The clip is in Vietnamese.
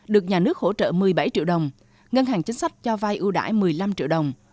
được nhà nước hỗ trợ một mươi bảy triệu đồng ngân hàng chính sách cho vay ưu đãi một mươi năm triệu đồng